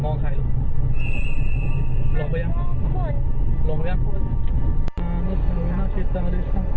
พ่อจะอุทิศภูมิเสียบรุษวนลูกจะสวัสดิ์มองแต่ขอไม่หลงไปนะ